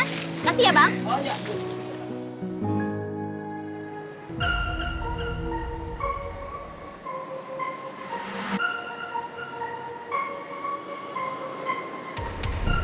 makasih ya bang